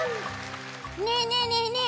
ねえねえねえねえ